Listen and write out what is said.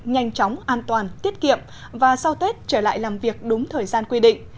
nhanh chóng an toàn tiết kiệm và sau tết trở lại làm việc đúng thời gian quy định